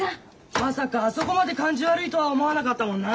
まさかあそこまで感じ悪いとは思わなかったもんな。